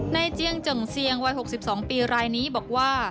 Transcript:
เจียงเจิ่งเซียงวัย๖๒ปีรายนี้บอกว่า